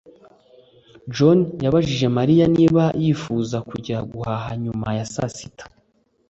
john yabajije mariya niba yifuza kujya guhaha nyuma ya saa sita